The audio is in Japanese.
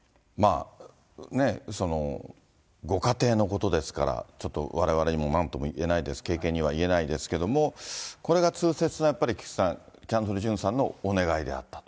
ご家庭のことですから、ちょっとわれわれにもなんとも言えないです、軽々には言えないですけども、これが痛切にやっぱり、菊池さん、キャンドル・ジュンさんのお願いであったと。